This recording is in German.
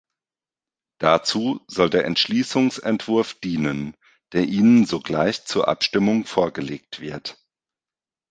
Dazu soll der Entschließungsentwurf dienen, der Ihnen sogleich zur Abstimmung vorgelegt wird.